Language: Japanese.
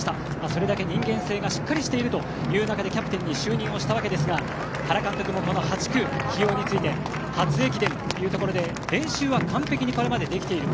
それだけ人間性がしっかりとしている中でキャプテンに就任したわけですが原監督もこの８区起用について初駅伝というところで練習はこれまで完璧にできている。